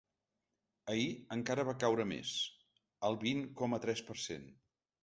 Ahir encara va caure més: al vint coma tres per cent.